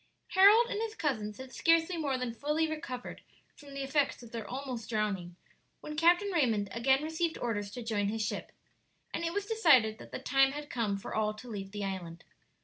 Harold and his cousins had scarcely more than fully recovered from the effects of their almost drowning when Captain Raymond again received orders to join his ship, and it was decided that the time had come for all to leave the island.